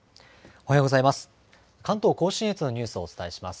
おはようございます。